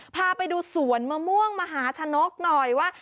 พาไปดูสวนมะม่วงมหาชนกหน่อยว่า